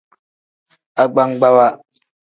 Agbagbawa.